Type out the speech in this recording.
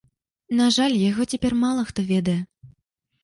На жаль, яго цяпер мала хто ведае.